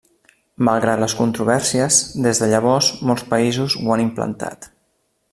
Malgrat les controvèrsies, des de llavors molts països ho han implantat.